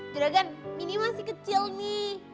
juragan mini masih kecil nih